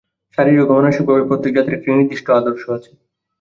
শারীরিক ও মানসিকভাবে প্রত্যেক জাতির একটি নির্দিষ্ট আদর্শ আছে।